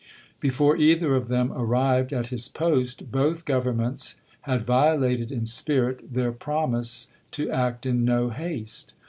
Before either of them arrived at his post, both governments had violated in spirit their promise to act in no haste.